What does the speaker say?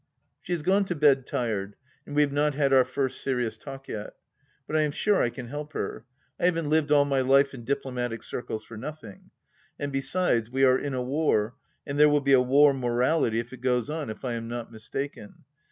She has gone to bed tired, and we have not had our first serious talk yet. But I am sure I can help her. I haven't lived all my life in diplomatic circles for nothing. And besides, we are in a war, and there will be a war morality if it goes on, if I am not mistaken.